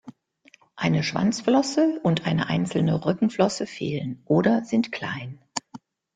Eine Schwanzflosse und eine einzelne Rückenflosse fehlen oder sind klein.